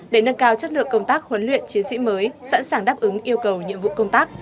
để nâng cao chất lượng công tác huấn luyện chiến sĩ mới sẵn sàng đáp ứng yêu cầu nhiệm vụ công tác